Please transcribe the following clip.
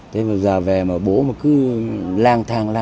thế giờ về mà bố cứ lang thang